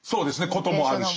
こともあるし。